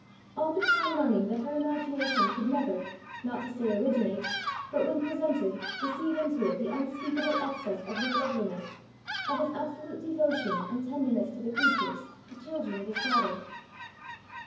all the time learning that her imagination could never not to say originate, but, when presented, receive into it the unspeakable excess of his loveliness, of his absolute devotion and tenderness to the creatures, the children of his father!